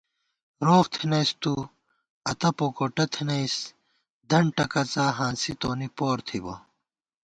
روغ تھنَئیس تُو، اتّہ پوکوٹہ تھنَئیس، دن ٹَکَڅا ہانسی تونی پور تھِبہ